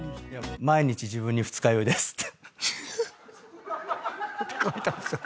「毎日自分に二日酔いです」って。